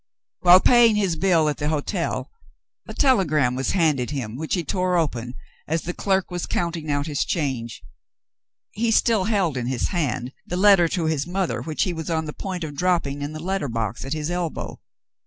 While paying his bill at the hotel, a telegram was handed him, which he tore open as the clerk was counting out his change. He still held in his hand the letter to his mother which he was on the point of dropping in the letter box at his elbow.